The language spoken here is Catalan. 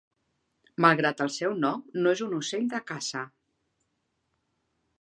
Malgrat el seu nom, no és un ocell de caça.